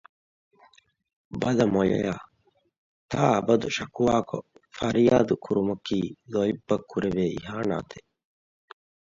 ބަލަ މޮޔަޔާއެވެ! ތާއަބަދު ޝަކުވާކޮށް ފަރިޔާދު ކުރުމަކީ ލޯތްބަށް ކުރެވޭ އިހާނަތެއް